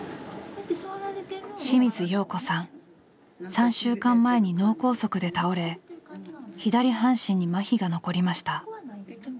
３週間前に脳梗塞で倒れ左半身にまひが残りました。